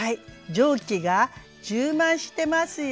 蒸気が充満してますよ。